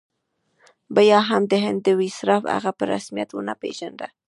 بیا هم د هند ویسرا هغه په رسمیت ونه پېژانده.